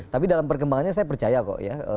tapi dalam perkembangannya saya percaya kok ya